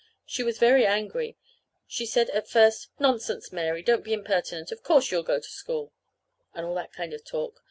She was very angry. She said at first: "Nonsense, Mary, don't be impertinent. Of course you'll go to school!" and all that kind of talk.